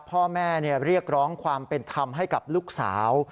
พ่อแม่เรียกร้องความเป็นธรรมให้กับลูกสาว